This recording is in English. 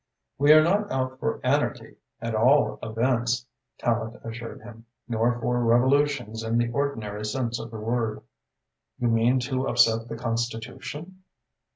"We are not out for anarchy, at all events," Tallente assured him, "nor for revolutions in the ordinary sense of the word." "You mean to upset the Constitution?"